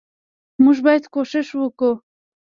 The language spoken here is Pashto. موږ باید کوښښ وکو